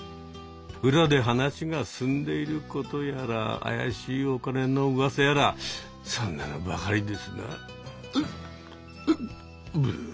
裏で話が進んでいることやら怪しいお金のうわさやらそんなのばかりですなうっうっぶう。